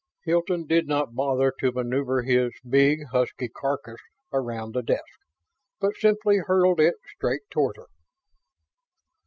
Hilton did not bother to maneuver his "big, husky carcass" around the desk, but simply hurdled it, straight toward her.